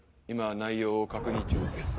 今内容を確認中です。